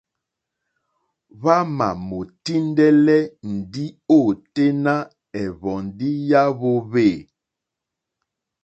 Hwámà mòtíndɛ́lɛ́ ndí ôténá ɛ̀hwɔ̀ndí yá hwōhwê.